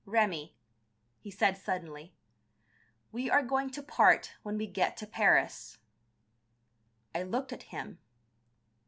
"Remi," he said suddenly, "we are going to part when we get to Paris." I looked at him.